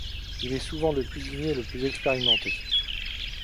Il est souvent le cuisinier le plus expérimenté.